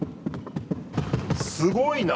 すごいな！